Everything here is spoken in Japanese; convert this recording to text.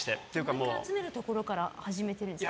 もう１回集めるところから始めてるんですか？